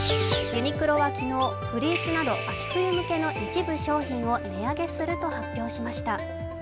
ユニクロは昨日、フリースなど秋冬向けの一部商品を値上げすると発表しました。